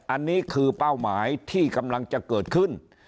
อันนี้คือเป้าหมายที่กำลังจะเกิดขึ้น